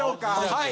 はい。